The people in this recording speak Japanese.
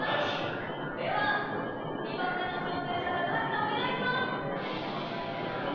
では、２番目の挑戦者、高橋さん、お願いします。